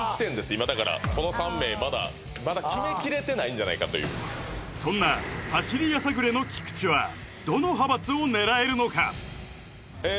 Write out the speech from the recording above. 今だからこの３名まだまだ決めきれてないんじゃないかというそんなパシリやさぐれの菊地はどの派閥を狙えるのかえー